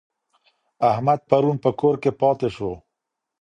احمد پرون په کور کي پاته سو.